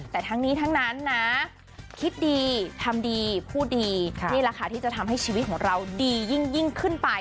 แต่ทั้งนี้ทั้งนั้นนะคิดดีทำดีพูดดีนี่แหละค่ะที่จะทำให้ชีวิตของเราดียิ่งขึ้นไป